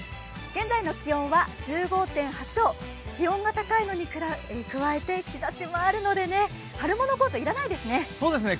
現在の気温は１５．８度、気温が高いのに加えて日ざしもあるので春物コート、いらないですね。